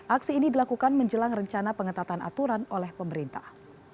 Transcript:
aksi ini dilakukan menjelang rencana pengetatan aturan oleh pemerintah